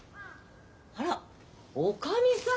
あらおかみさん！